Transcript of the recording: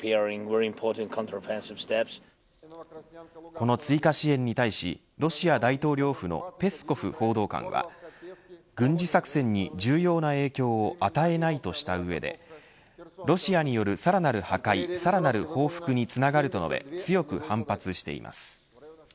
この追加支援に対しロシア大統領府のペスコフ報道官は軍事作戦に重要な影響を与えないとした上でロシアによるさらなる破壊さらなる報復につながると述べ強く反発しています。